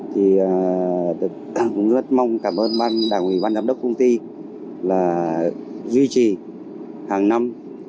thì cũng rất mong cảm ơn ban đảng ủy ban giám đốc công ty là duy trì hàng năm